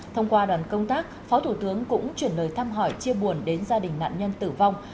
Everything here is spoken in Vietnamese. thông qua đoàn công tác phó thủ tướng cũng chuyển lời thăm hỏi chia buồn đến gia đình nạn nhân tử vong